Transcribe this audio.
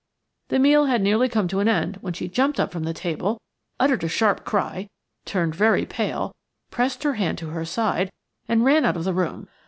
The meal had nearly come to end when she jumped up from the table, uttered a sharp cry, turned very pale, pressed her hand to her side, and ran out of the room.